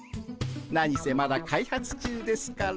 何せまだ開発中ですから。